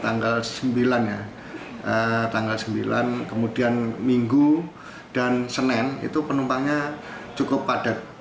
nah tanggal sembilan kemudian minggu dan senen itu penumpangnya cukup padat